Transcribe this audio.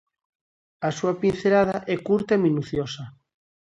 A súa pincelada é curta e minuciosa.